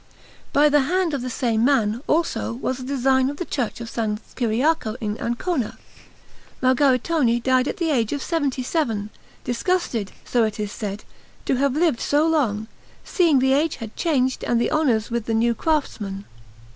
By the hand of the same man, also, was the design of the Church of S. Ciriaco in Ancona. Margaritone died at the age of seventy seven, disgusted, so it is said, to have lived so long, seeing the age changed and the honours with the new craftsmen.